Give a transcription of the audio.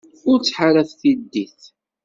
Ur ttḥaṛaf tiddit.